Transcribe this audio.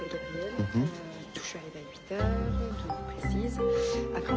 うん。